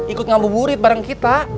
ikut ngambu burit bareng kita